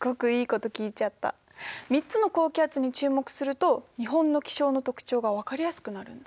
３つの高気圧に注目すると日本の気象の特徴が分かりやすくなるんだ。